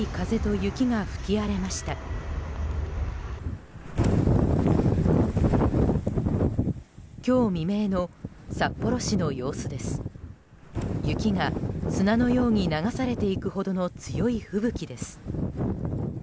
雪が砂のように流されていくほどの強い吹雪です。